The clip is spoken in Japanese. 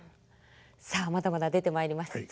さあまだまだ出てまいります。